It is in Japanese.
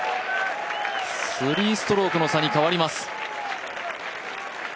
３ストロークの差に変わります。